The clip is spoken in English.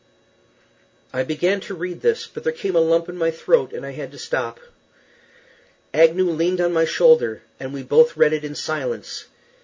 I began to read this, but there came a lump in my throat, and I had to stop. Agnew leaned on my shoulder, and we both read it in silence.